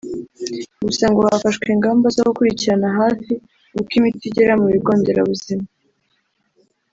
Gusa ngo hafashwe ingamba zo gukurikiranira hafi uko imiti igera mu bigo nderabuzima